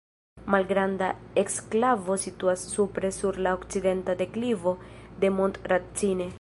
Malgranda eksklavo situas supre sur la okcidenta deklivo de Mont Racine.